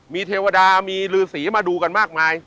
มีเทวดามีฤษีมาดูกันมากมาย